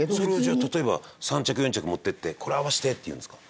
じゃあ例えば３着４着持っていって「これ合わせて」って言うんですか？